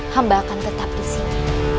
hamba akan tetap disini